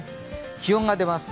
気温が出ます。